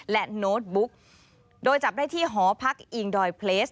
และโน้ตบุ๊กโดยจับได้ที่หอพักอิงดอยเพลส